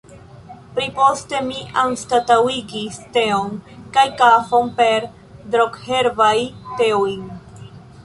Pli poste mi anstataŭigis teon kaj kafon per drogherbaj teoj.